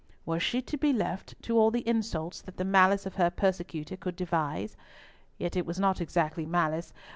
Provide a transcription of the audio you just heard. Was she to be left to all the insults that the malice of her persecutor could devise? Yet it was not exactly malice.